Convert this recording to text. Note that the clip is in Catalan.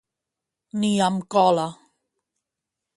Ni amb cola.